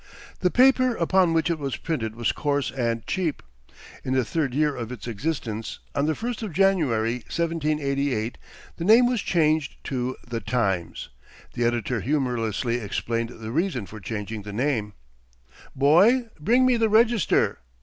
The paper upon which it was printed was coarse and cheap. In the third year of its existence, on the first of January, 1788, the name was changed to "The Times." The editor humorously explained the reasons for changing the name: "'Boy, bring me the "Register."'